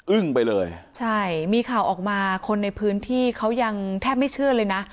ไปเลยใช่มีข่าวออกมาคนในพื้นที่เขายังแทบไม่เชื่อเลยนะ